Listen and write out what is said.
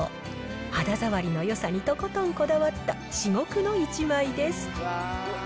肌触りのよさにとことんこだわった至極の一枚です。